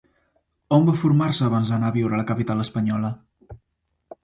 On va formar-se abans d'anar a viure a la capital espanyola?